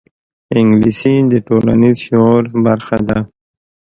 انګلیسي د ټولنیز شعور برخه ده